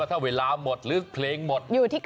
ตามไปดูกันว่าเขามีการแข่งขันอะไรที่เป็นไฮไลท์ที่น่าสนใจกันค่ะ